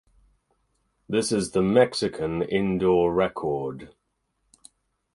This is the Mexican indoor record.